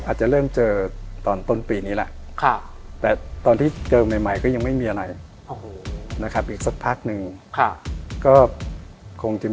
อาจจะเริ่มเจอตอนต้นปีนี้แล้วแต่ตอนที่เจอใหม่ก็ยังไม่มีอะไรอีกสักพักนึง